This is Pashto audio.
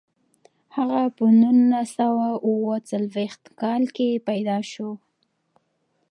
هغه په نولس سوه اووه څلویښت کال کې پیدا شو.